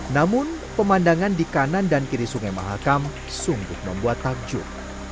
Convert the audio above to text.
namun pemandangan di kanan dan kiri sungai mahakam sungguh membuat takjub